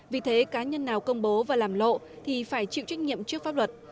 vì thế cá nhân nào công bố và làm lộ thì phải chịu trách nhiệm trước pháp luật